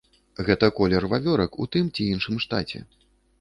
Гэта колер вавёрак у тым ці іншым штаце.